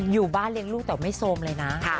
อยู่บ้านเลี้ยงลูกแต่ไม่โซมเลยนะ